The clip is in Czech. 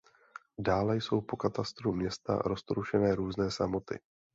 Dále jsou po katastru města roztroušené různé samoty.